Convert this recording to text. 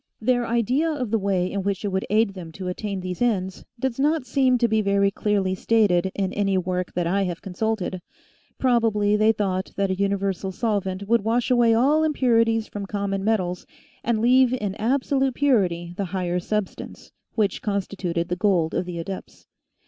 Their idea of the way in which it would aid them to attain these ends does not seem to be very clearly stated in any work that I have consulted ; probably they thought that a universal solvent would wash away all impurities from common materials and leave in absolute purity the higher substance, which constituted the gold of the adepts.